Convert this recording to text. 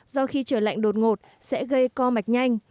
do khi trời lạnh đột ngột sẽ gây co mạch nhanh